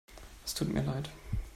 Es tut mir leid.